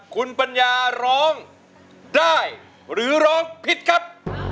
คุณปัญญาร้องได้หรือร้องผิดครับ